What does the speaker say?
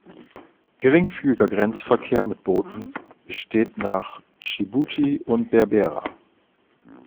Geringfügiger Grenzverkehr mit Booten besteht nach Dschibuti und Berbera.